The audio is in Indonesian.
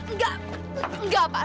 enggak enggak pak